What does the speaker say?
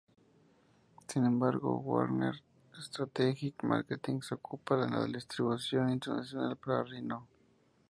Sin embargo, Warner Strategic Marketing se ocupa de la distribución internacional para Rhino.